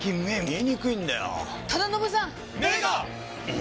え？